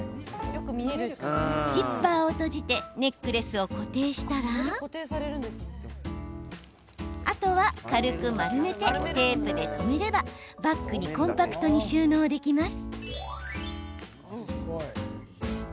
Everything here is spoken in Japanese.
ジッパーを閉じてネックレスを固定したらあとは軽く丸めてテープで留めればバッグにコンパクトに収納できます。